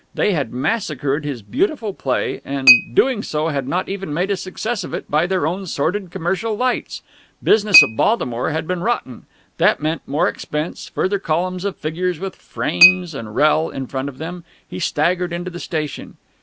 They had massacred his beautiful play and, doing so had not even made a success of it by their own sordid commercial lights. Business at Baltimore had been rotten! That meant more expense, further columns of figures with "frames" and "rehl." in front of them! He staggered into the station.